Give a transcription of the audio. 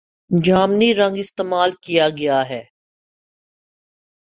جامنی رنگ استعمال کیا گیا ہے